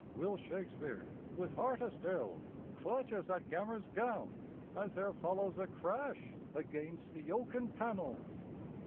Will Shakespeare, with heart a still, clutches at Gammer's gown as there follows a crash against the oaken panels.